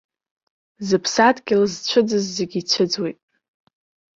Зыԥсадгьыл зцәыӡыз зегьы ицәыӡуеит.